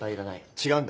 違うんだ。